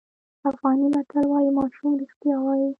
افغاني متل وایي ماشوم رښتیا وایي.